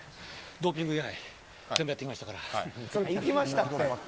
ドーピング以外全部やってましたから。